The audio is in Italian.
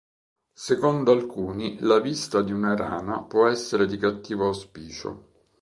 Secondo alcuni la vista di una rana può essere di cattivo auspicio.